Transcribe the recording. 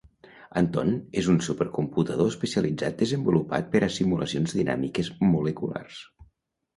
Anton és un supercomputador especialitzat desenvolupat per a simulacions dinàmiques moleculars.